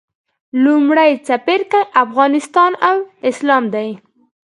لومړی څپرکی افغانستان او اسلام دی.